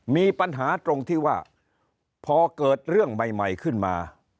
มีปัญหาตรงที่ว่าพอเกิดเรื่องใหม่ขึ้นมา